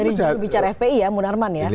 dari judul bicara fpi ya munarman ya